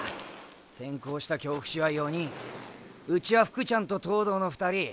先行した京伏は４人うちは福ちゃんと東堂の２人。